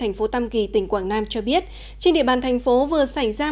thành phố tam kỳ tỉnh quảng nam cho biết trên địa bàn thành phố vừa xảy ra